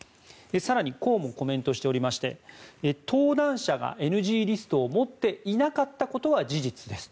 更にこうもコメントしていまして登壇者がＮＧリストを持っていなかったことは事実です。